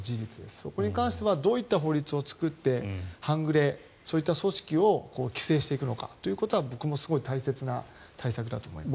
そこに関してはどういった法律を作って半グレ、そういった組織を規制していくのかということは僕もすごい大切な対策だと思います。